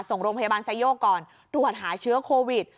ส่งโรงพยาบาลไซโยกก่อนตรวจหาเชื้อโควิด